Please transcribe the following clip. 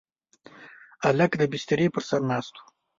هلک د بسترې پر سر ناست و.